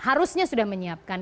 harusnya sudah menyiapkan